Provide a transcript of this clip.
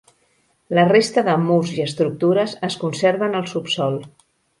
La resta de murs i estructures es conserven al subsòl.